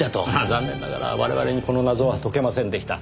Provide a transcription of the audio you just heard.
残念ながら我々にこの謎は解けませんでした。